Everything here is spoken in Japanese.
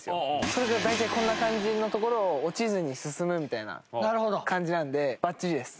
それが大体こんな感じの所を落ちずに進むみたいな感じなのでバッチリです。